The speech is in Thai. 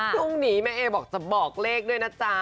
ค่ะต้องหนีแม่เอบอกจะบอกเลขด้วยนะจ๊ะ